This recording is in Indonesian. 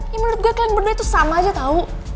ya menurut gue kalian berdua itu sama aja tau